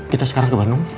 kita sekarang ke bandung